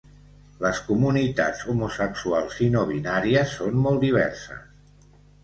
Les comunitats homosexuals i no binàries són molt diverses.